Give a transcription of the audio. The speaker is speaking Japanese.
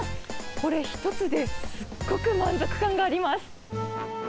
これ１つですっごく満足感があります。